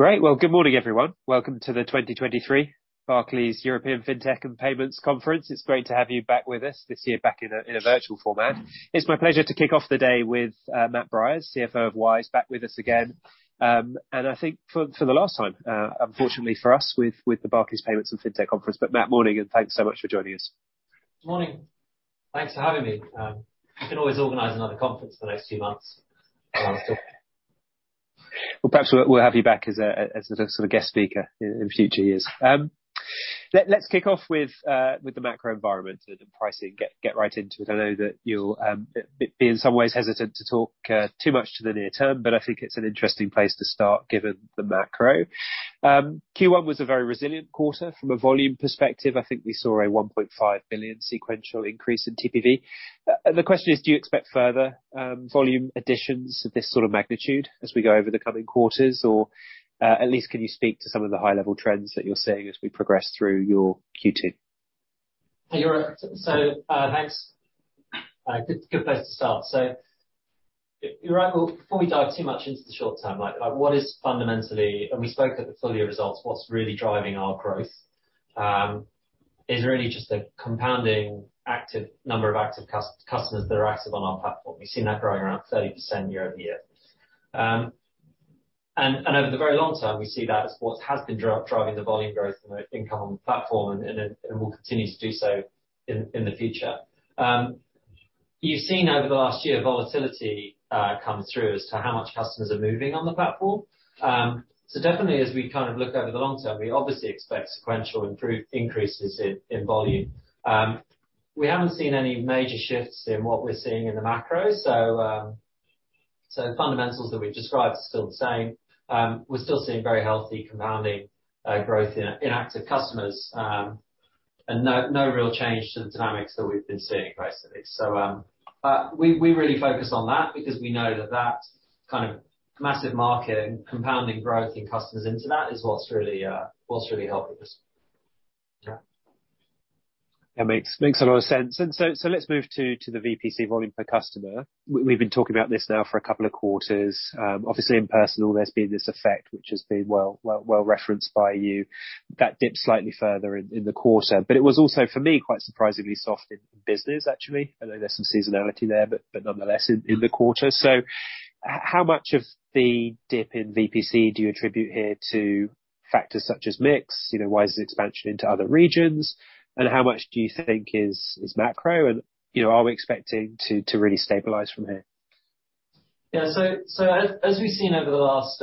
Great! Well, good morning, everyone. Welcome to the 2023 Barclays European Fintech and Payments Conference. It's great to have you back with us this year, back in a virtual format. It's my pleasure to kick off the day with Matt Briers, CFO of Wise, back with us again, and I think for the last time, unfortunately for us, with the Barclays Payments and Fintech Conference. But Matt, morning, and thanks so much for joining us. Morning. Thanks for having me. You can always organize another conference for the next two months. Well, perhaps we'll have you back as a sort of guest speaker in future years. Let's kick off with the macro environment and pricing. Get right into it. I know that you'll be in some ways hesitant to talk too much to the near term, but I think it's an interesting place to start, given the macro. Q1 was a very resilient quarter from a volume perspective. I think we saw a $1.5 billion sequential increase in TPV. The question is, do you expect further volume additions of this sort of magnitude as we go over the coming quarters? Or at least, can you speak to some of the high-level trends that you're seeing as we progress through your Q2? Yeah, sure. So, thanks. Good, good place to start. So you're right, well, before we dive too much into the short term, like, like, what is fundamentally. And we spoke at the full year results, what's really driving our growth, is really just a compounding active, number of active customers that are active on our platform. We've seen that growing around 30% year-over-year. And, and over the very long term, we see that as what has been driving the volume growth and the income on the platform, and it, and will continue to do so in, in the future. You've seen over the last year, volatility, come through as to how much customers are moving on the platform. So definitely as we kind of look over the long term, we obviously expect sequential increases in, in volume. We haven't seen any major shifts in what we're seeing in the macro, so, so the fundamentals that we've described are still the same. We're still seeing very healthy compounding growth in active customers, and no real change to the dynamics that we've been seeing, basically. So, we really focus on that because we know that that kind of massive market and compounding growth in customers into that is what's really, what's really helping us. Yeah. That makes a lot of sense. So let's move to the VPC, volume per customer. We've been talking about this now for a couple of quarters. Obviously, in personal, there's been this effect, which has been well referenced by you, that dipped slightly further in the quarter. But it was also, for me, quite surprisingly soft in business, actually. I know there's some seasonality there, but nonetheless, in the quarter. So how much of the dip in VPC do you attribute here to factors such as mix? You know, Wise's expansion into other regions, and how much do you think is macro? And, you know, are we expecting to really stabilize from here? Yeah, so as we've seen over the last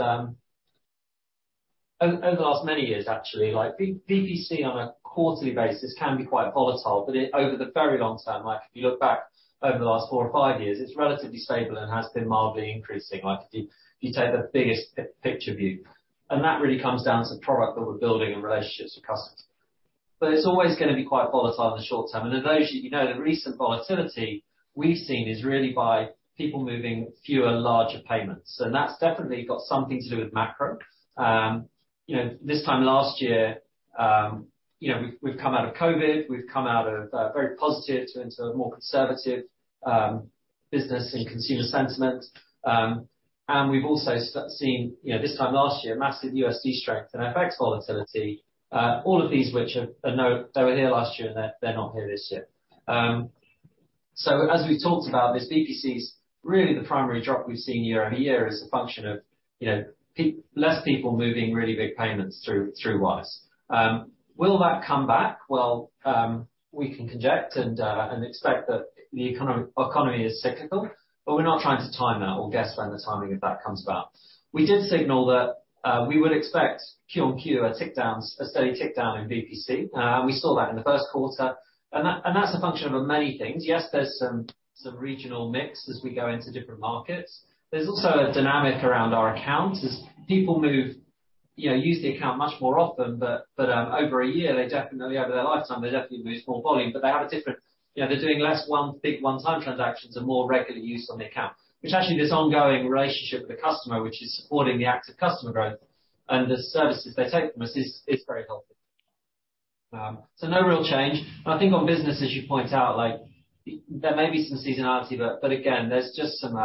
many years, actually, like, VPC on a quarterly basis can be quite volatile, but it, over the very long term, like, if you look back over the last four or five years, it's relatively stable and has been mildly increasing, like, if you take the biggest picture view, and that really comes down to the product that we're building and relationships with customers. But it's always gonna be quite volatile in the short term, and as you know, the recent volatility we've seen is really by people moving fewer, larger payments, so that's definitely got something to do with macro. You know, this time last year, you know, we've come out of COVID, we've come out of very positive into a more conservative business and consumer sentiment. And we've also seen, you know, this time last year, massive USD strength and FX volatility, all of these which are not here this year. They were here last year, and they're not here this year. So as we've talked about this, VPC's really the primary drop we've seen year-on-year is a function of, you know, less people moving really big payments through Wise. Will that come back? Well, we can conjecture and expect that the economy is cyclical, but we're not trying to time that or guess when the timing of that comes about. We did signal that we would expect Q-on-Q, a tick down, a steady tick down in VPC. We saw that in the first quarter, and that's a function of many things. Yes, there's some regional mix as we go into different markets. There's also a dynamic around our accounts, as people move. You know, use the account much more often, but over a year, they definitely, over their lifetime, they definitely move more volume, but they have a different. You know, they're doing less one big one-time transactions and more regular use on the account. Which actually, this ongoing relationship with the customer, which is supporting the active customer growth and the services they take from us, is very helpful. So no real change. And I think on business, as you point out, like, there may be some seasonality, but again, there's just some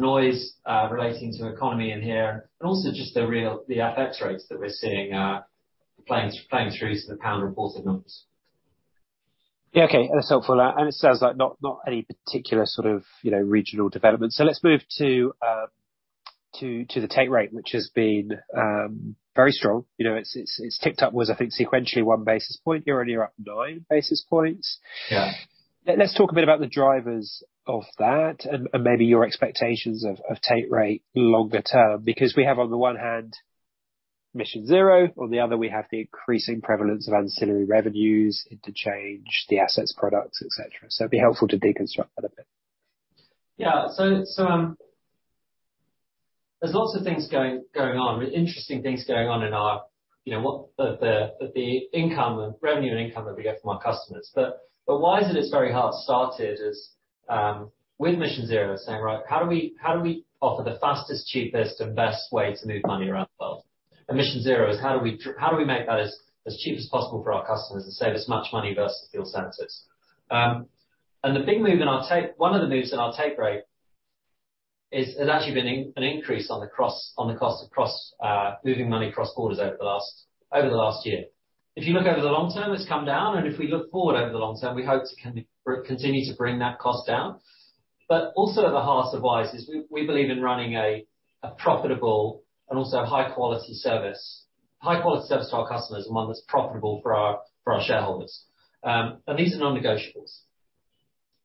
noise relating to economy in here, and also just the real, the FX rates that we're seeing, playing through to the pound reported numbers. Yeah, okay. That's helpful. It sounds like not any particular sort of, you know, regional development. So let's move to the take rate, which has been very strong. You know, it's ticked up, I think, sequentially one basis point. Year-on-year, up nine basis points. Yeah. Let's talk a bit about the drivers of that and, and maybe your expectations of, of take rate longer term, because we have, on the one hand, Mission Zero, on the other, we have the increasing prevalence of ancillary revenues, interchange, the assets products, et cetera. So it'd be helpful to deconstruct that a bit. Yeah. So, there's lots of things going on, interesting things going on in our, you know, what the income, revenue and income that we get from our customers. But Wise at its very heart started as with Mission Zero, saying, "Right, how do we offer the fastest, cheapest and best way to move money around the world?" And Mission Zero is: How do we make that as cheap as possible for our customers and save as much money versus? [inaudible] And the big move in our take rate, one of the moves in our take rate, has actually been an increase on the cross, on the cost across moving money across borders over the last year. If you look over the long term, it's come down, and if we look forward over the long term, we hope to continue to bring that cost down. But also at the heart of Wise is we believe in running a profitable and also a high-quality service. High-quality service to our customers and one that's profitable for our shareholders. These are non-negotiables.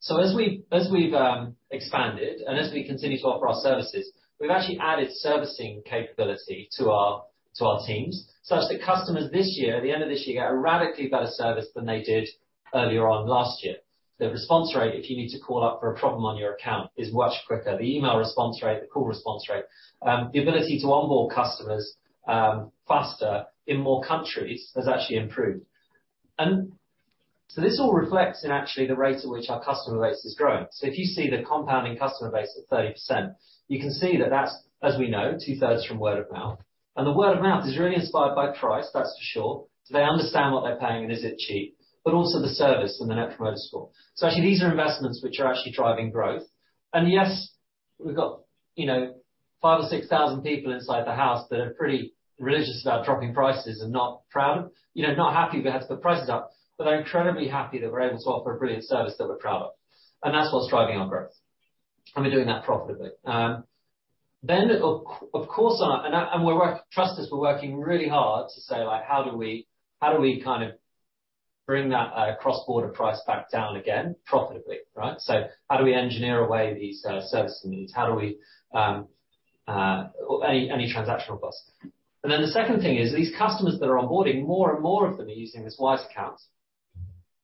So as we've expanded, and as we continue to offer our services, we've actually added servicing capability to our teams, such that customers this year, at the end of this year, get a radically better service than they did earlier on last year. The response rate, if you need to call up for a problem on your account, is much quicker. The email response rate, the call response rate, the ability to onboard customers faster in more countries has actually improved. And so this all reflects in actually the rate at which our customer base is growing. So if you see the compounding customer base at 30%, you can see that that's, as we know, two-thirds from word of mouth, and the word of mouth is really inspired by price, that's for sure. Do they understand what they're paying, and is it cheap? But also the service and the Net Promoter Score. So actually, these are investments which are actually driving growth. And yes, we've got, you know, 5,000 or 6,000 people inside the house that are pretty religious about dropping prices and not proud of—you know, not happy we have to put prices up, but they're incredibly happy that we're able to offer a brilliant service that we're proud of, and that's what's driving our growth, and we're doing that profitably. Then, of course, trust us, we're working really hard to say, like, "How do we, how do we kind of bring that cross-border price back down again profitably, right?" So how do we engineer away these servicing needs? How do we any, any transactional costs? And then the second thing is, these customers that are onboarding, more and more of them are using these Wise accounts.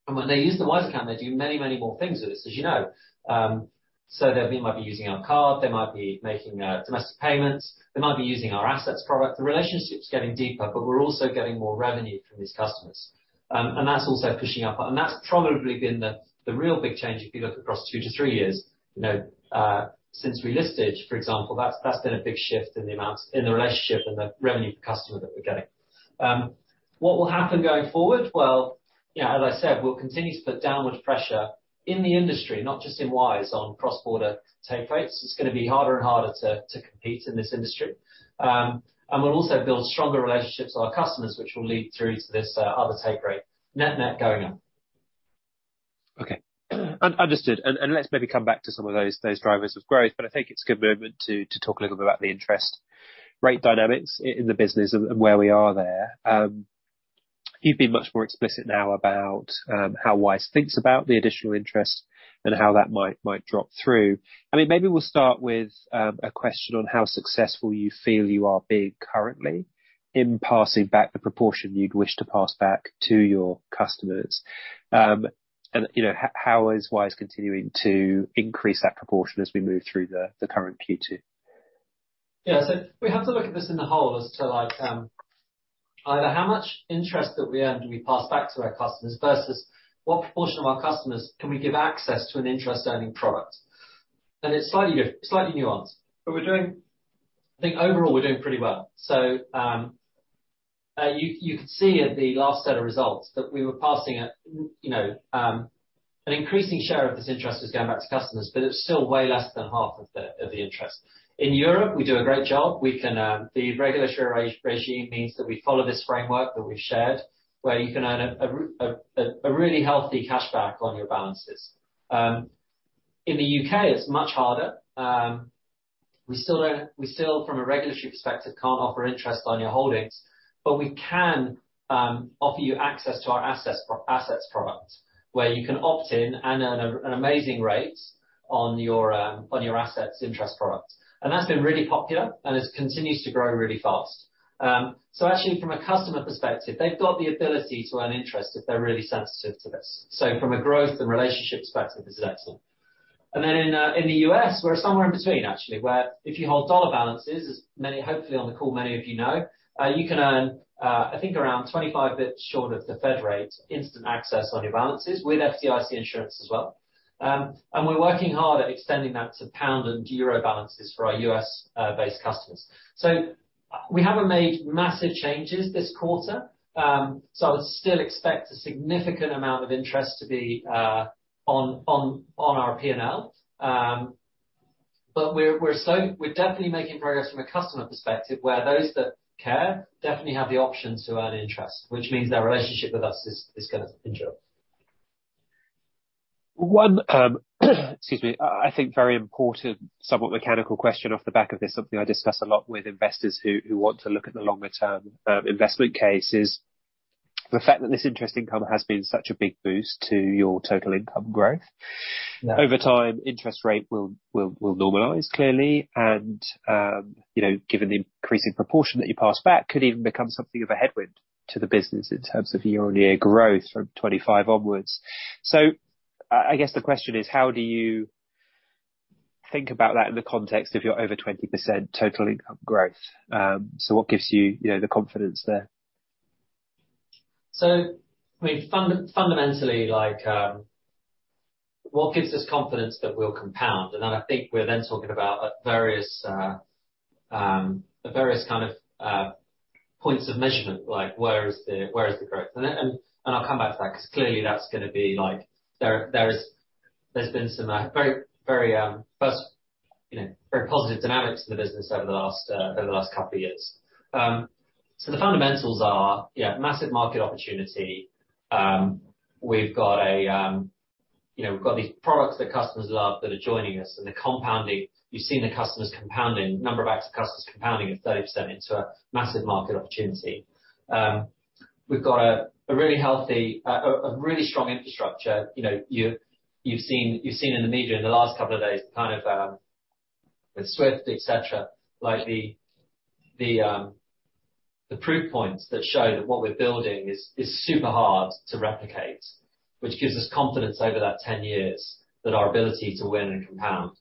And when they use the Wise Account, they do many, many more things with us, as you know. So they might be using our card, they might be making domestic payments, they might be using our assets product. The relationship's getting deeper, but we're also getting more revenue from these customers. And that's also pushing up, and that's probably been the real big change if you look across two to three years. You know, since we listed, for example, that's been a big shift in the amounts, in the relationship and the revenue per customer that we're getting. What will happen going forward? Well, you know, as I said, we'll continue to put downward pressure in the industry, not just in Wise, on cross-border take rates. It's gonna be harder and harder to compete in this industry. We'll also build stronger relationships with our customers, which will lead through to this, other take rate, net-net going up. Okay. Understood, and let's maybe come back to some of those drivers of growth, but I think it's a good moment to talk a little bit about the interest rate dynamics in the business and where we are there. You've been much more explicit now about how Wise thinks about the additional interest and how that might drop through. I mean, maybe we'll start with a question on how successful you feel you are being currently in passing back the proportion you'd wish to pass back to your customers. And, you know, how is Wise continuing to increase that proportion as we move through the current Q2? Yeah, so we have to look at this in the whole as to, like, either how much interest that we earn do we pass back to our customers versus what proportion of our customers can we give access to an interest-earning product? And it's slightly nuanced, but we're doing... I think overall, we're doing pretty well. So, you could see at the last set of results that we were passing, you know, an increasing share of this interest is going back to customers, but it's still way less than half of the interest. In Europe, we do a great job. We can, the regulatory regime means that we follow this framework that we've shared, where you can earn a really healthy cashback on your balances. In the UK, it's much harder. We still, from a regulatory perspective, can't offer interest on your holdings, but we can offer you access to our assets product, where you can opt in and earn an amazing rate on your assets interest product. And that's been really popular, and it continues to grow really fast. So actually from a customer perspective, they've got the ability to earn interest if they're really sensitive to this. So from a growth and relationship perspective, this is excellent. And then in the US, we're somewhere in between, actually, where if you hold dollar balances, as many hopefully on the call, many of you know, you can earn, I think around 25 basis points short of the Fed rate, instant access on your balances with FDIC insurance as well. And we're working hard at extending that to pound and euro balances for our US-based customers. So we haven't made massive changes this quarter, so I would still expect a significant amount of interest to be on our P&L. But we're definitely making progress from a customer perspective, where those that care definitely have the option to earn interest, which means their relationship with us is gonna endure. One, excuse me, I think very important, somewhat mechanical question off the back of this, something I discuss a lot with investors who want to look at the longer-term investment case, is the fact that this interest income has been such a big boost to your total income growth. Yeah. Over time, interest rate will normalize, clearly, and, you know, given the increasing proportion that you pass back, could even become something of a headwind to the business in terms of year-on-year growth from 2025 onwards. So I guess, the question is: How do you think about that in the context of your over 20% total income growth? So what gives you, you know, the confidence there? So, I mean, fundamentally, like, what gives us confidence that we'll compound, and then I think we're then talking about the various kind of points of measurement, like where is the growth? And then I'll come back to that, 'cause clearly, that's gonna be like... There's been some very positive dynamics in the business over the last couple of years. So the fundamentals are, yeah, massive market opportunity. We've got a, you know, we've got these products that customers love, that are joining us, and they're compounding. You've seen the customers compounding, number of active customers compounding at 30% into a massive market opportunity. We've got a really healthy, a really strong infrastructure. You know, you've seen in the media in the last couple of days, kind of, with Swift, et cetera, like, the proof points that show that what we're building is super hard to replicate, which gives us confidence over that 10 years, that our ability to win and compound,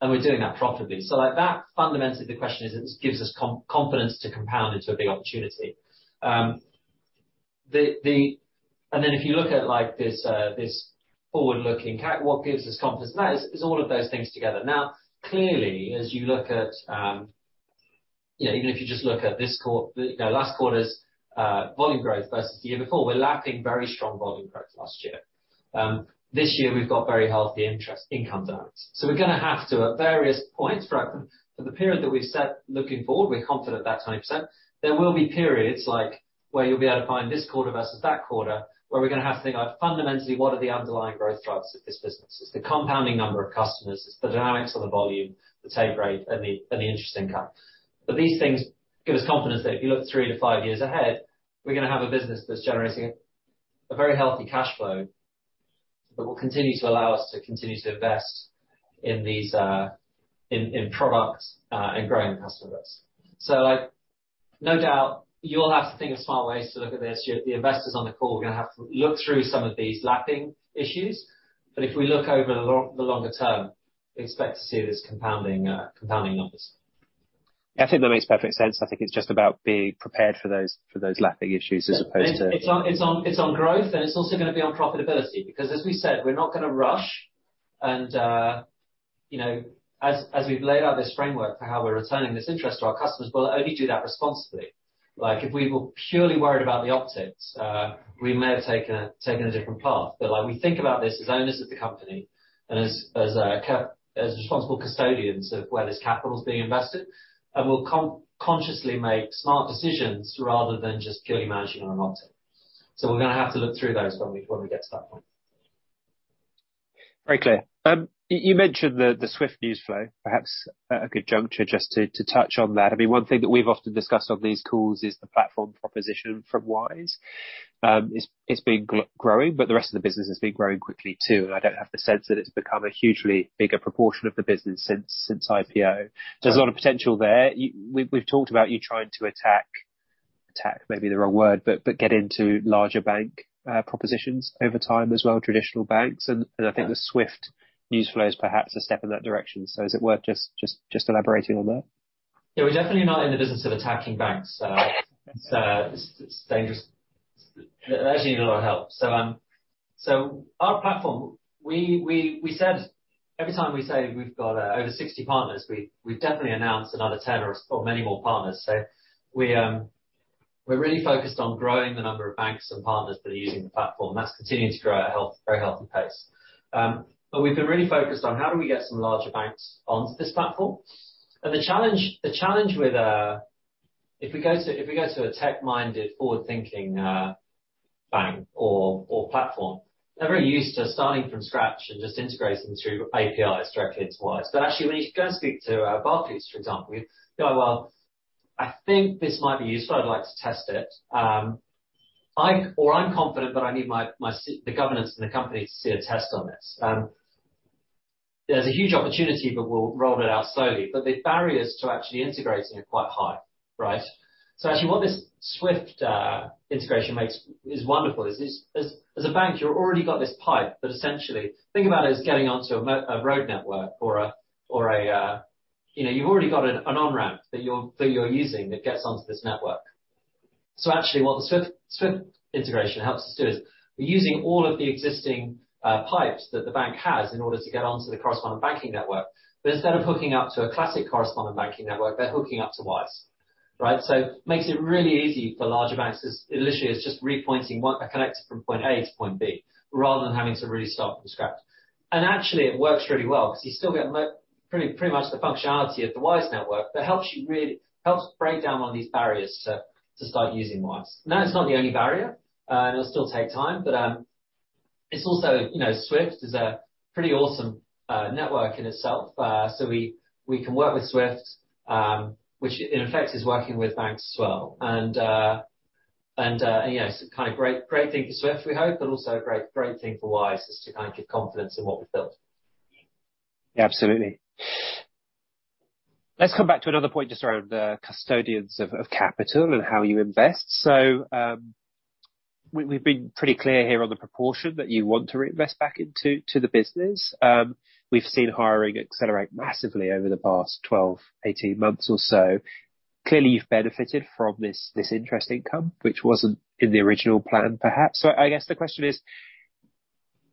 and we're doing that profitably. So like that, fundamentally, the question is, it gives us confidence to compound into a big opportunity. And then if you look at, like, this forward-looking what gives us confidence? And that is all of those things together. Now, clearly, as you look at, you know, even if you just look at this quarter. You know, last quarter's volume growth versus the year before, we're lapping very strong volume growth last year. This year, we've got very healthy interest income dynamics. So we're gonna have to, at various points, for the period that we've set looking forward, we're confident that 10%, there will be periods like, where you'll be able to find this quarter versus that quarter, where we're gonna have to think about, fundamentally, what are the underlying growth drivers of this business? It's the compounding number of customers, it's the dynamics of the volume, the take rate, and the interest income. But these things give us confidence that if you look 3-5 years ahead, we're gonna have a business that's generating a very healthy cash flow, that will continue to allow us to continue to invest in these products and growing the customer base. Like, no doubt, you'll have to think of smart ways to look at this. You, the investors on the call, are gonna have to look through some of these lapping issues, but if we look over the long, the longer term, expect to see these compounding, compounding numbers. I think that makes perfect sense. I think it's just about being prepared for those lapping issues as opposed to- It's on, it's on, it's on growth, and it's also gonna be on profitability, because, as we said, we're not gonna rush, and, you know, as we've laid out this framework for how we're returning this interest to our customers, we'll only do that responsibly. Like, if we were purely worried about the optics, we may have taken a different path. But like, we think about this as owners of the company and as responsible custodians of where this capital is being invested, and we'll consciously make smart decisions rather than just purely managing on an optic. So we're gonna have to look through those when we get to that point. Very clear. You mentioned the Swift news flow. Perhaps a good juncture just to touch on that. I mean, one thing that we've often discussed on these calls is the platform proposition from Wise. It's been growing, but the rest of the business has been growing quickly, too, and I don't have the sense that it's become a hugely bigger proportion of the business since IPO. Yeah. There's a lot of potential there. We've talked about you trying to attack, attack may be the wrong word, but get into larger bank propositions over time as well, traditional banks. Yeah. I think the Swift news flow is perhaps a step in that direction. So is it worth elaborating on that? Yeah, we're definitely not in the business of attacking banks. It's dangerous. They actually need a lot of help. So our platform, we said every time we say we've got over 60 partners, we've definitely announced another 10 or many more partners. So we're really focused on growing the number of banks and partners that are using the platform. That's continuing to grow at a very healthy pace. But we've been really focused on how do we get some larger banks onto this platform? And the challenge with if we go to a tech-minded, forward-thinking bank or platform, they're very used to starting from scratch and just integrating through APIs directly into Wise. But actually, when you go and speak to Barclays, for example, you go, "Well, I think this might be useful. I'd like to test it." Or, "I'm confident, but I need my the governance and the company to see a test on this." There's a huge opportunity, but we'll roll it out slowly. But the barriers to actually integrating are quite high, right? So actually, what this Swift integration makes is wonderful is this, as a bank, you've already got this pipe that essentially. Think about it as getting onto a road network or a you know, you've already got an on-ramp that you're using that gets onto this network. So actually, what the Swift integration helps us do is, we're using all of the existing pipes that the bank has in order to get onto the correspondent banking network, but instead of hooking up to a classic correspondent banking network, they're hooking up to Wise, right? So makes it really easy for larger banks, 'cause it literally is just repointing a connector from point A to point B, rather than having to really start from scratch. And actually, it works really well, because you still get pretty much the functionality of the Wise network, but it helps you really break down a lot of these barriers to start using Wise. That is not the only barrier, and it'll still take time, but it's also, you know, Swift is a pretty awesome network in itself. So we can work with Swift, which, in effect, is working with banks as well. You know, it's kind of great, great thing for Swift, we hope, but also a great, great thing for Wise as to kind of give confidence in what we've built. Yeah, absolutely. Let's come back to another point, just around the custodians of capital and how you invest. So, we've been pretty clear here on the proportion that you want to reinvest back into the business. We've seen hiring accelerate massively over the past 12-18 months or so. Clearly, you've benefited from this interest income, which wasn't in the original plan, perhaps. So I guess the question is: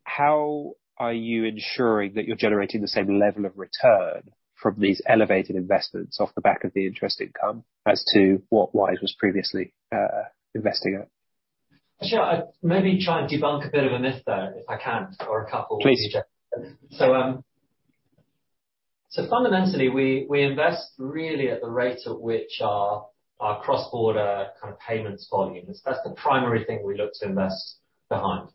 How are you ensuring that you're generating the same level of return from these elevated investments off the back of the interest income as to what Wise was previously investing in? Sure. I'd maybe try and debunk a bit of a myth, though, if I can, or a couple- Please. So, fundamentally, we invest really at the rate at which our cross-border kind of payments volumes. That's the primary thing we look to invest behind.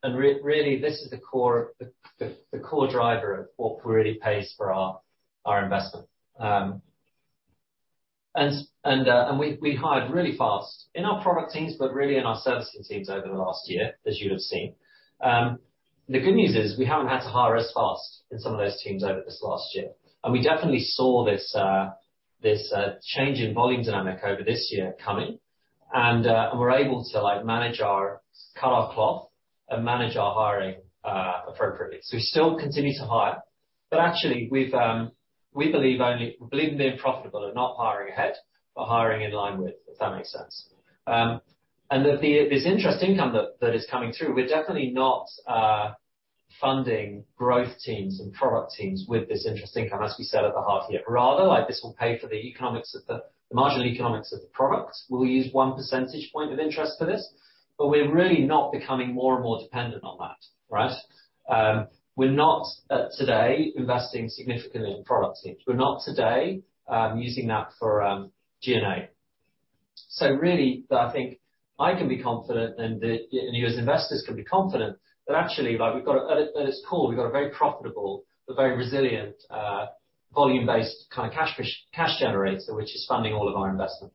And really, this is the core driver of what really pays for our investment. And we hired really fast in our product teams, but really in our servicing teams over the last year, as you have seen. The good news is, we haven't had to hire as fast in some of those teams over this last year. And we definitely saw this change in volume dynamic over this year coming, and we're able to, like, manage our cut our cloth and manage our hiring appropriately. So we still continue to hire, but actually, we've, we believe in being profitable and not hiring ahead, but hiring in line with, if that makes sense. And the this interest income that is coming through, we're definitely not funding growth teams and product teams with this interest income, as we said at the half year. Rather, like, this will pay for the economics of the the marginal economics of the product. We'll use 1 percentage point of interest for this, but we're really not becoming more and more dependent on that, right? We're not today investing significantly in product teams. We're not today using that for G&A. So really, I think I can be confident, and you, as investors, can be confident that actually, like, we've got a, at its core, we've got a very profitable, but very resilient, volume-based kind of cash generator, which is funding all of our investment.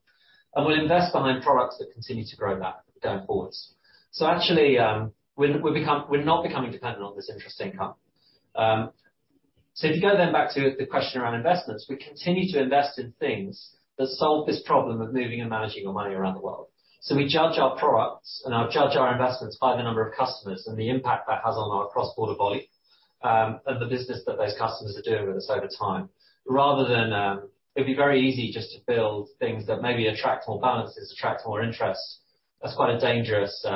And we'll invest behind products that continue to grow that going forwards. So actually, we're not becoming dependent on this interest income. So if you go then back to the question around investments, we continue to invest in things that solve this problem of moving and managing your money around the world. So we judge our products, and judge our investments by the number of customers and the impact that has on our cross-border volume, and the business that those customers are doing with us over time, rather than... It'd be very easy just to build things that maybe attract more balances, attract more interest. That's quite a dangerous,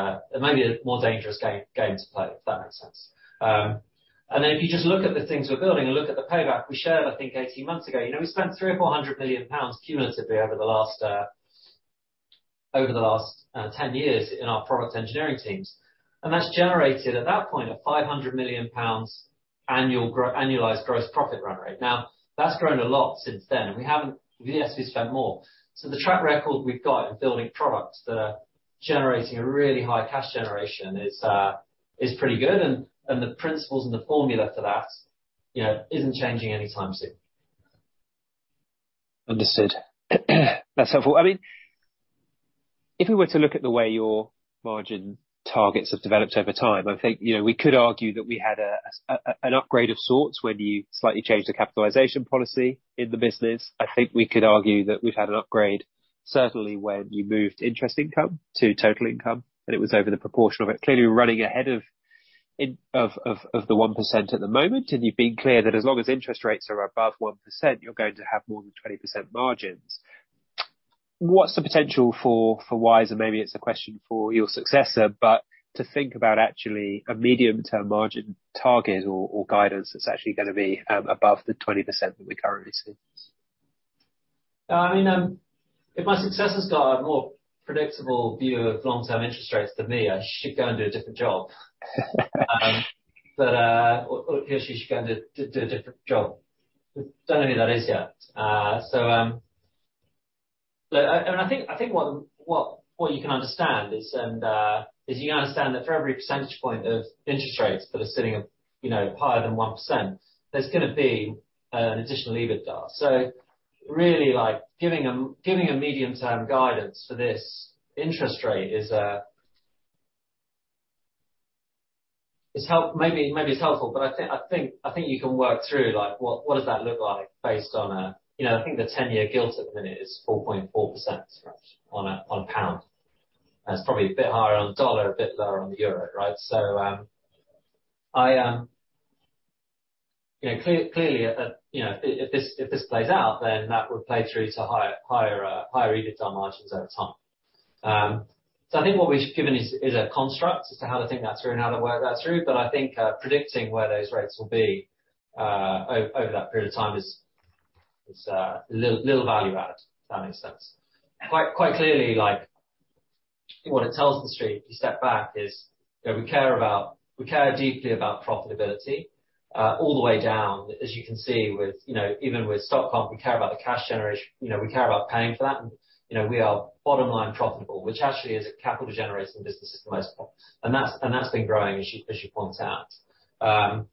maybe a more dangerous game to play, if that makes sense. And then, if you just look at the things we're building and look at the payback we shared, I think 18 months ago, you know, we spent 300 million or 400 million pounds cumulatively over the last 10 years in our product engineering teams, and that's generated, at that point, a 500 million pounds annualized gross profit run rate. Now, that's grown a lot since then, and we haven't... Yes, we've spent more. So the track record we've got in building products that are generating a really high cash generation is pretty good, and the principles and the formula for that, you know, isn't changing anytime soon. Understood. That's helpful. I mean, if we were to look at the way your margin targets have developed over time, I think, you know, we could argue that we had an upgrade of sorts when you slightly changed the capitalization policy in the business. I think we could argue that we've had an upgrade, certainly when you moved interest income to total income, and it was over the proportion of it. Clearly, we're running ahead of the 1% at the moment, and you've been clear that as long as interest rates are above 1%, you're going to have more than 20% margins. What's the potential for Wise? And maybe it's a question for your successor, but to think about actually a medium-term margin target or guidance that's actually gonna be above the 20% that we currently see. I mean, if my successor's got a more predictable view of long-term interest rates than me, I should go and do a different job. But, or he or she should go and do a different job. Don't know who that is yet. So... Look, and I think, I think what, what, what you can understand is, and, is you can understand that for every percentage point of interest rates that are sitting, you know, higher than 1%, there's gonna be an additional EBITDA. So really, like, giving a medium-term guidance for this interest rate is, is helpful—maybe, maybe it's helpful, but I think, I think, I think you can work through, like, what, what does that look like based on... You know, I think the ten-year gilt at the minute is 4.4% perhaps, on pound. And it's probably a bit higher on the dollar, a bit lower on the euro, right? So, you know, clearly, you know, if this plays out, then that would play through to higher EBITDA margins over time. So I think what we've given is a construct as to how to think that through and how to work that through, but I think predicting where those rates will be over that period of time is little value add, if that makes sense. Quite clearly, like, what it tells the street, if you step back, is, you know, we care about, we care deeply about profitability all the way down. As you can see with, you know, even with stock comp, we care about the cash generation. You know, we care about paying for that, and, you know, we are bottom line profitable, which actually is a capital generating business at the most part, and that's, and that's been growing, as you, as you point out.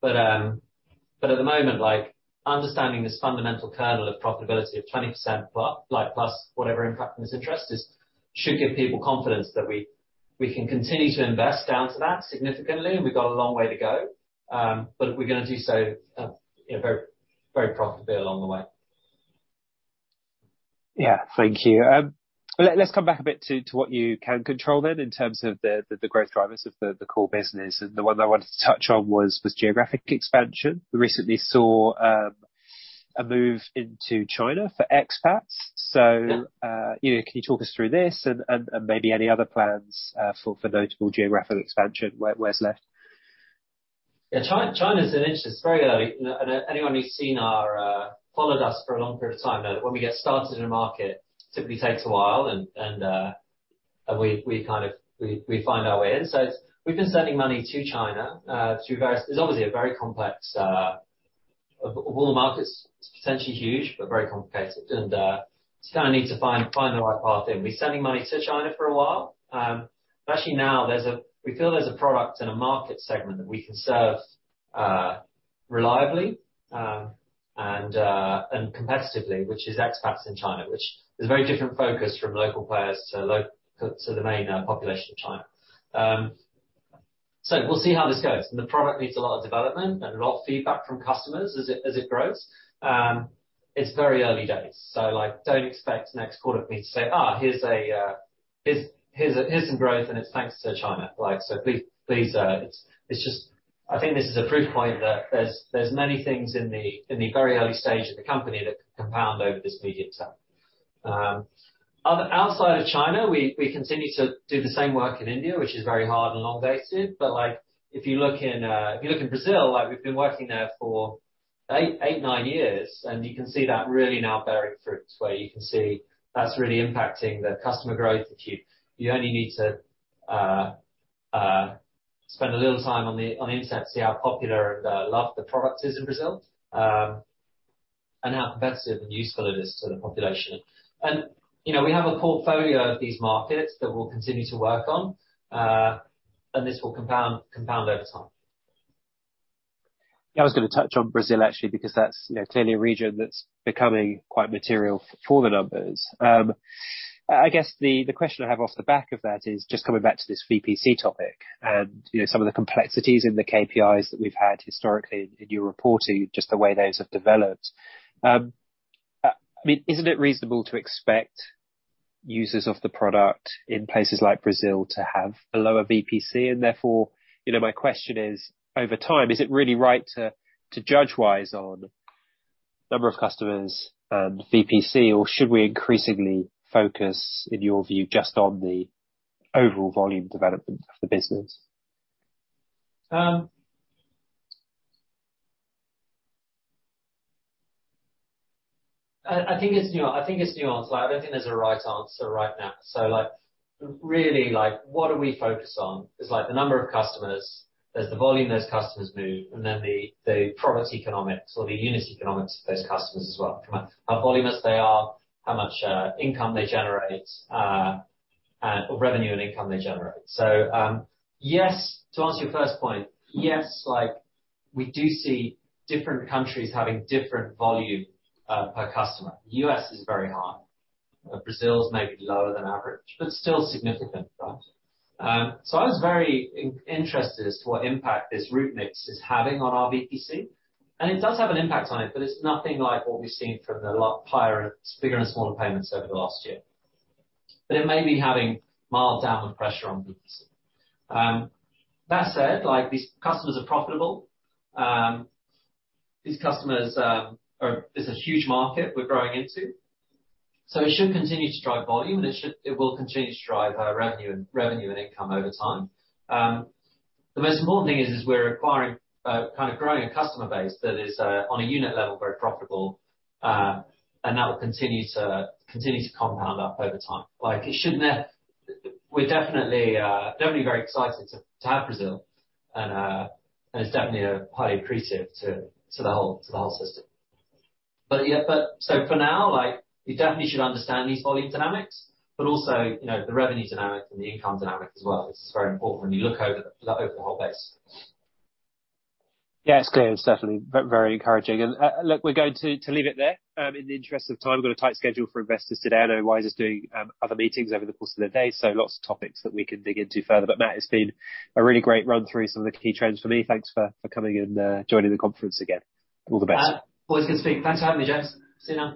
But, but at the moment, like, understanding this fundamental kernel of profitability of 20% plus whatever impact from this interest is, should give people confidence that we, we can continue to invest down to that significantly, and we've got a long way to go, but we're gonna do so, you know, very, very profitably along the way. Yeah. Thank you. Let's come back a bit to what you can control then, in terms of the growth drivers of the core business. And the one I wanted to touch on was geographic expansion. We recently saw a move into China for expats. So, you know, can you talk us through this and maybe any other plans for notable geographical expansion, where's left? Yeah, China, China's interesting, very early. And anyone who's seen our... followed us for a long period of time know that when we get started in a market, typically takes a while, and we kind of-- we find our way in. So we've been sending money to China through various-- There's obviously a very complex all the markets, potentially huge, but very complicated. And just kind of need to find the right path in. We've been sending money to China for a while, but actually now there's a-- we feel there's a product and a market segment that we can serve reliably and competitively, which is expats in China, which is a very different focus from local players to the main population of China. So we'll see how this goes. The product needs a lot of development and a lot of feedback from customers as it grows. It's very early days, so, like, don't expect next quarter for me to say, "Ah, here's some growth, and it's thanks to China." Like, so please, it's just—I think this is a proof point that there's many things in the very early stage of the company that compound over this medium term. Outside of China, we continue to do the same work in India, which is very hard and long dated, but like, if you look in Brazil, like, we've been working there for 8-9 years, and you can see that really now bearing fruit, where you can see that's really impacting the customer growth that you... You only need to spend a little time on the internet to see how popular and loved the product is in Brazil, and how competitive and useful it is to the population. And, you know, we have a portfolio of these markets that we'll continue to work on, and this will compound over time. Yeah, I was gonna touch on Brazil, actually, because that's, you know, clearly a region that's becoming quite material for the numbers. I guess the question I have off the back of that is, just coming back to this VPC topic and, you know, some of the complexities in the KPIs that we've had historically in your reporting, just the way those have developed. I mean, isn't it reasonable to expect users of the product in places like Brazil to have a lower VPC, and therefore, you know, my question is, over time, is it really right to judge Wise on number of customers and VPC, or should we increasingly focus, in your view, just on the overall volume development of the business? I think it's nuanced. I think it's nuanced. Like, I don't think there's a right answer right now. So, like, really, like, what do we focus on? It's like the number of customers, there's the volume those customers move, and then the product economics or the unit economics of those customers as well. How voluminous they are, how much income they generate, and revenue and income they generate. So, yes, to answer your first point, yes, like, we do see different countries having different volume per customer. U.S. is very high, but Brazil is maybe lower than average, but still significant, right? So I was very interested as to what impact this route mix is having on our VPC, and it does have an impact on it, but it's nothing like what we've seen from a lot higher, bigger and smaller payments over the last year. But it may be having mild downward pressure on VPC. That said, like, these customers are profitable. These customers are profitable. There's a huge market we're growing into, so it should continue to drive volume, and it will continue to drive revenue and income over time. The most important thing is we're acquiring kind of growing a customer base that is on a unit level very profitable, and that will continue to compound up over time. Like, it shouldn't have... We're definitely very excited to have Brazil, and it's definitely a high accretive to the whole system. But yeah, so for now, like, we definitely should understand these volume dynamics, but also, you know, the revenue dynamic and the income dynamic as well. This is very important when you look over the whole base. Yeah, it's clear. It's definitely very encouraging. And, look, we're going to leave it there, in the interest of time. We've got a tight schedule for investors today. I know Wise is doing other meetings over the course of the day, so lots of topics that we can dig into further. But, Matt, it's been a really great run through some of the key trends for me. Thanks for coming and joining the conference again. All the best. Well, it's good to speak. Thanks for having me, James. See you now.